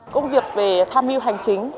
công việc về tham mưu hành chính